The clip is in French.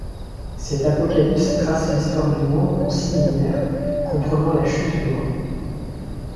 Cette apocalypse trace l'histoire du monde en six millénaires, comprenant la chute de Rome.